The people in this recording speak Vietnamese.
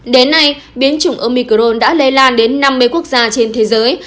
đến nay biến chủng omicron đã lây lan đến năm mươi quốc gia trên thế giới